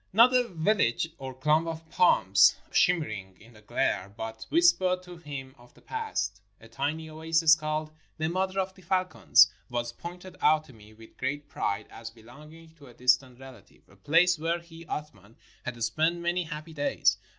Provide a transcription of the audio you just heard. Not a vil lage, or clump of palms shimmering in the glare, but whispered to him of the past. A tiny oasis, called " The Mother of the Falcons," was pointed out to me with great pride, as belonging to a distant relative; a place where he, Athman, had spent many happy days.